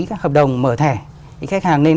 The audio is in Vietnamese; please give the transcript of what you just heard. các hợp đồng mở thẻ thì khách hàng nên